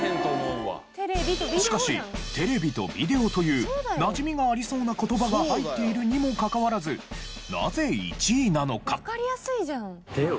しかし「テレビ」と「ビデオ」というなじみがありそうな言葉が入っているにもかかわらずなぜ１位なのか？